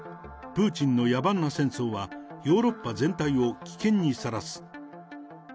プーチンの野蛮な戦争は、ヨーロッパ全体を危険にさらす。